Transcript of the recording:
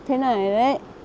thế này đấy